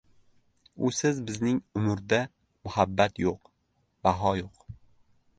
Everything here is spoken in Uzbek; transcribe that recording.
Usiz bizning umrda muhabbat yo‘q, baho yo‘q.